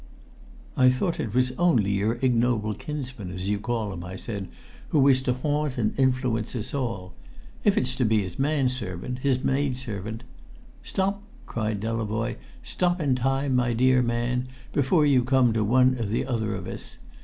"I thought it was only your ignoble kinsman, as you call him," I said, "who was to haunt and influence us all. If it's to be his man servant, his maid servant " "Stop," cried Delavoye; "stop in time, my dear man, before you come to one or other of us!